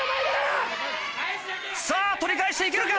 さぁ取り返していけるか？